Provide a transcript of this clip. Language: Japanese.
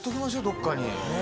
どっかに。